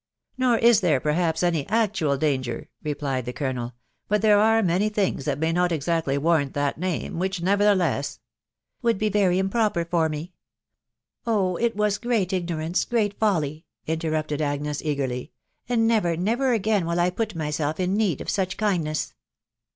ic Not is there? pethapfti anjy<* aetuadi dangar/' replied the* colonel'; <*tmt tltere* are many thingi that may no* exactly' warrant* that namey wiricb nevertheksB ..*«»"" WeuM bw ?eryj improper fiar me !„.„..> Ohl it waa great ignorance — great folly !" interrupted Agnes eagerly ~ tc and, nerer, newer agai&wili I put myself imneed of such kindness!